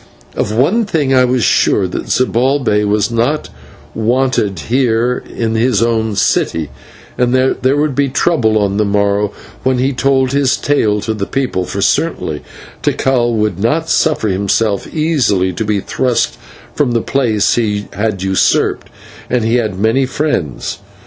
Of one thing I was sure, that Zibalbay was not wanted here in his own city, and that there would be trouble on the morrow when he told his tale to the people, for certainly Tikal would not suffer himself easily to be thrust from the place he had usurped, and he had many friends.